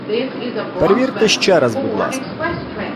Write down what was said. Перевірте ще раз, будь ласка!